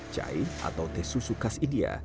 jai atau teh susu khas india